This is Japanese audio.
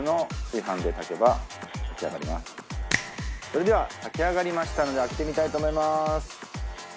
それでは炊き上がりましたので開けてみたいと思います！